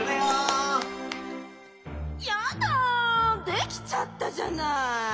できちゃったじゃない！